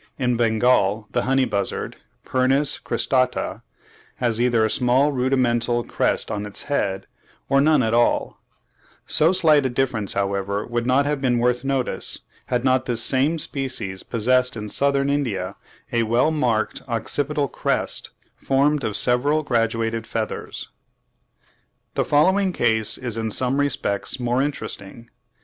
In Bengal the Honey buzzard (Pernis cristata) has either a small rudimental crest on its head, or none at all: so slight a difference, however, would not have been worth notice, had not this same species possessed in Southern India a well marked occipital crest formed of several graduated feathers." (39. Jerdon, 'Birds of India,' vol. i. p. 108; and Mr. Blyth, in 'Land and Water,' 1868, p. 381.) The following case is in some respects more interesting.